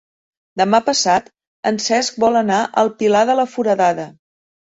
Demà passat en Cesc vol anar al Pilar de la Foradada.